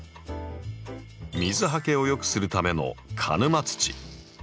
水はけをよくするための鹿沼土。